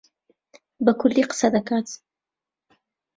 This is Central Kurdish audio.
بە کوردی قسە دەکات.